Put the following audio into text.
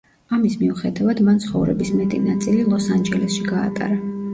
ამის მიუხედავად მან ცხოვრების მეტი ნაწილი ლოს ანჯელესში გაატარა.